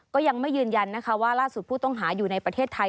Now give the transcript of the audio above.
ก็ยังไม่ยืนยันนะคะว่าล่าสุดผู้ต้องหาอยู่ในประเทศไทย